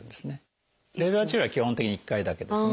レーザー治療は基本的に１回だけですね。